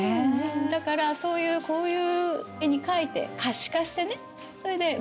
だからそういうこういう絵に描いて可視化してねそれで訴えたと。